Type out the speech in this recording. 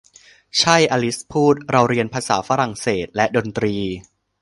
'ใช่' อลิซพูด 'เราเรียนภาษาฝรั่งเศสและดนตรี'